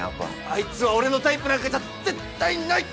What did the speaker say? あいつは俺のタイプなんかじゃ絶対ない！